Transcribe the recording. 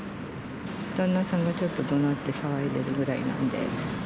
旦那さんがちょっとどなって騒いでるぐらいなんで。